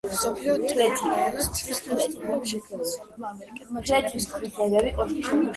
მსოფლიო ტურნესთვის კოსტიუმები შექმნა ცნობილმა ამერიკელმა ჯერემი სკოტმა.